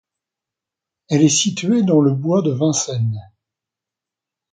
Elle est située dans le bois de Vincennes.